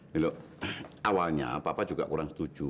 kalau awalnya papa juga kurang setuju